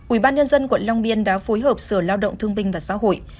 ủy ban nhân dân quận long biên đã phối hợp sở lao động thương binh và xã hội